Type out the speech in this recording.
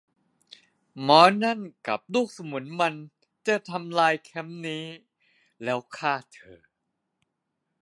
หมอนั่นกับลูกสมุนมันจะทำลายแคมป์นี้ แล้วฆ่าเธอ